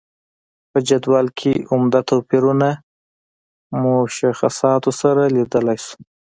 په جدول کې عمده توپیرونه مشخصاتو سره لیدلای شو.